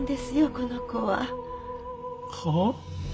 この子は。はあ？